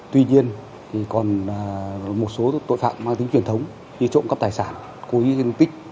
tuy nhiên thì còn một số tội phạm mang tính truyền thống như trộm cắp tài sản cúi hình tích